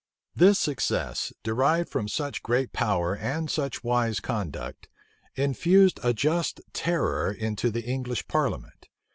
This success, derived from such great power and such wise conduct, infused a just terror into the English parliament.